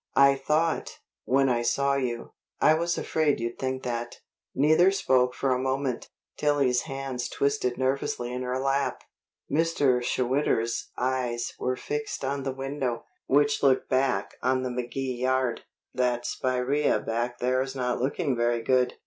"I thought, when I saw you " "I was afraid you'd think that." Neither spoke for a moment. Tillie's hands twisted nervously in her lap. Mr. Schwitter's eyes were fixed on the window, which looked back on the McKee yard. "That spiraea back there's not looking very good.